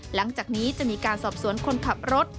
หลังจากนี้จะมีการสอบสวนคนขับรถ